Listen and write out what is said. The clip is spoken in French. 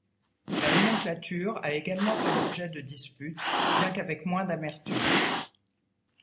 La nomenclature a également fait l’objet de disputes, bien qu’avec moins d’amertume.